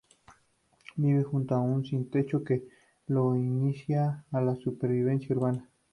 Vive junto a una sin techo que lo inicia a la supervivencia urbana.